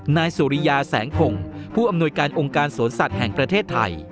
นายสุริยาแสงพงศ์ผู้อำนวยการองค์การสวนสัตว์แห่งประเทศไทย